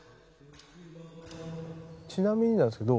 ちなみになんですけど